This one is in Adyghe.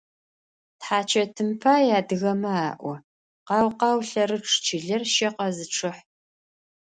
Тхьачэтым пай адыгэмэ alo: «Къау-къау лъэрычъ, чылэр щэ къэзычъыхь».